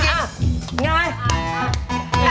ง่าย